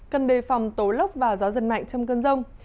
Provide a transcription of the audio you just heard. cần đề phòng tố lốc và gió dần mạnh trong cơn rông